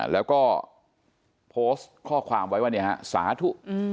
แล้วก็โพสต์ข้อความไว้ว่าเนี่ยฮะสาธุ